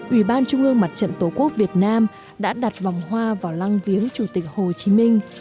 ủy ban trung ương mặt trận tổ quốc việt nam đã đặt vòng hoa vào lăng viếng chủ tịch hồ chí minh